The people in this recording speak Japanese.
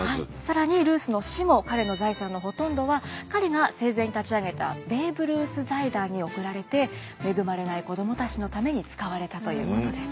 更にルースの死後彼の財産のほとんどは彼が生前に立ち上げたベーブ・ルース財団に送られて恵まれない子どもたちのために使われたということです。